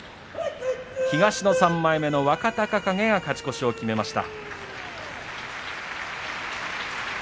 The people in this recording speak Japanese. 東の３枚目の若隆景が勝ち越しを決めました。